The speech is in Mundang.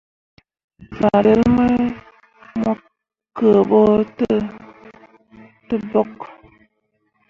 Farel mai mo kǝǝɓo ten dǝɓok.